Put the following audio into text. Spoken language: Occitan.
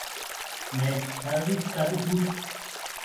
Mès s'a de dobtar de tot.